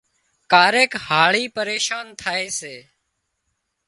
ڪاريڪ هاۯِي پريشان ٿائي سي